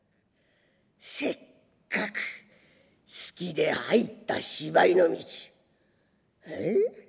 せっかく好きで入った芝居の道ええ。